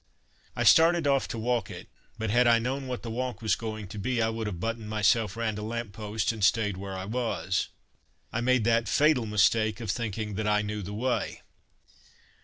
I started off to walk it but had I known what that walk was going to be, I would have buttoned myself round a lamp post and stayed where I was. I made that fatal mistake of thinking that I knew the way.